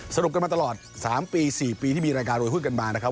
สรุปกันมาตลอด๓ปี๔ปีที่มีรายการรวยหุ้นกันมานะครับ